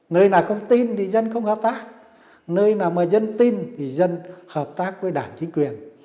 nơi nào không tin thì dân không hợp tác nơi nào mà dân tin thì dân hợp tác với đảng chính quyền